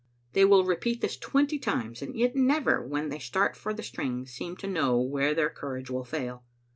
They will repeat this twenty times, and yet never, when they start for the string, seem to know where their courage will fail.